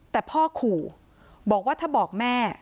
แต่พ่อขู่บอกว่าถ้าบอกแม่